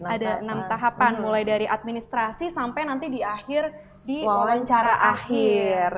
ada enam tahapan mulai dari administrasi sampai nanti di akhir di wawancara akhir